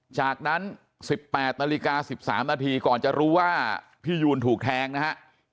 จากนั้น๑๘นาฬิกา๑๓นาทีก่อนจะรู้ว่าพี่ยูนถูกแทงนะฮะ